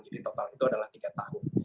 jadi total itu adalah tiga tahun